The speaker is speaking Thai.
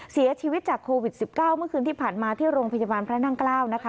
เสียชีวิตจากโควิด๑๙เมื่อคืนที่ผ่านมาที่โรงพยาบาลพระนั่งเกล้านะคะ